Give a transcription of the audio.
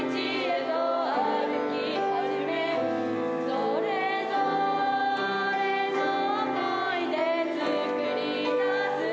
「それぞれの思い出つくりだす」